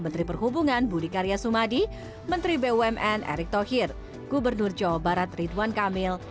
menteri perhubungan budi karya sumadi menteri bumn erick thohir gubernur jawa barat ridwan kamil